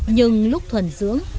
nhưng lúc thuần dưỡng